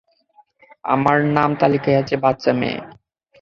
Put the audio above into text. আমার নাম তালিকায় আছে, বাচ্চা মেয়ে।